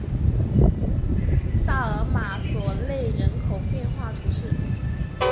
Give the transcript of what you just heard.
萨马尔索勒人口变化图示